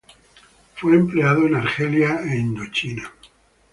Fue empleado en Argelia e Indochina.